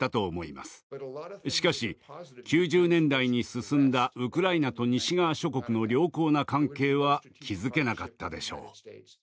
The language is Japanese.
しかし９０年代に進んだウクライナと西側諸国の良好な関係は築けなかったでしょう。